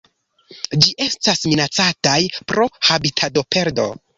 Ĝi estas minacataj pro habitatoperdo.